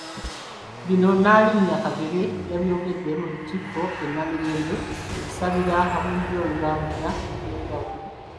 Bino Nnaalinnya Kagere yabyogeredde mu Lutikko e Namirembe mu kusabira ab'Olulyo Olulangira okwenjawulo.